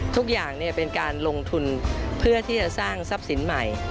ทุกอย่างเป็นการลงทุนเพื่อที่จะสร้างทรัพย์สินใหม่